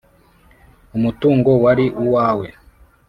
umutungo wari u wawe